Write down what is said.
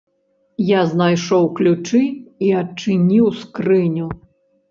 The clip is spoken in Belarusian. Я знайшоў ключы і адчыніў скрыню.